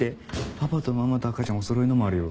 パパとママと赤ちゃんおそろいのもあるよ。